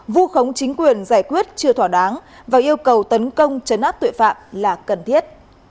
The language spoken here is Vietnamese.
vu khống chính quyền giải quyết chưa thỏa đáng và yêu cầu tấn công chấn áp tội phạm là cần thiết